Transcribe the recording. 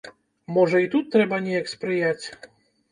Можа, і тут трэба неяк спрыяць?